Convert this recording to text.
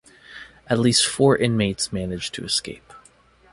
At least four inmates managed to escape.